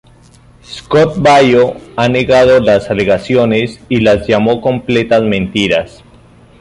Scott Baio ha negado las alegaciones y las llamó completas mentiras.